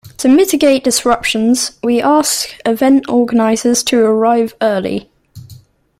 To mitigate disruptions, we ask event organizers to arrive early.